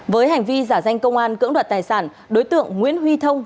với hành vi giả danh công an cưỡng đoạt tài sản đối tượng nguyễn huy thông